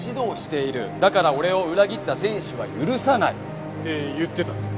「だから俺を裏切った選手は許さない」って言ってたって。